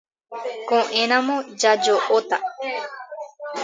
Ko'ẽramo jajo'óta.